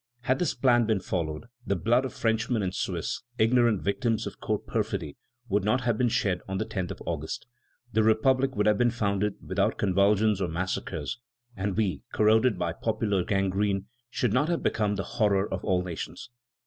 Had this plan been followed, the blood of Frenchmen and Swiss, ignorant victims of court perfidy, would not have been shed on the 10th of August, the republic would have been founded without convulsions or massacres, and we, corroded by popular gangrene, should not have become the horror of all nations."